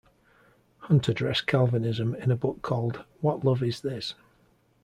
Hunt addressed Calvinism in a book called What Love is This?